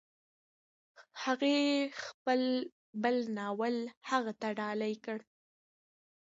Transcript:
هغې خپل بل ناول هغه ته ډالۍ کړ.